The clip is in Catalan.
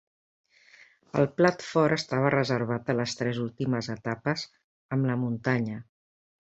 El plat fort estava reservat a les tres últimes etapes, amb la muntanya.